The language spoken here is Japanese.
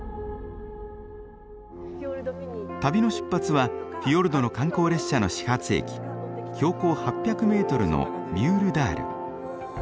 旅の出発はフィヨルドの観光列車の始発駅標高８００メートルのミュールダール。